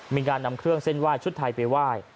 มีการนำเครื่องเส้นไหว้ชุดไทยไปไหว้